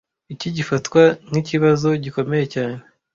Iki gifatwa nkikibazo gikomeye cyane